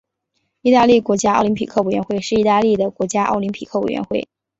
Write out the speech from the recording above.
意大利国家奥林匹克委员会是意大利的国家奥林匹克委员会。